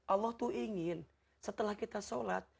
allah tuh ingin setelah kita sholat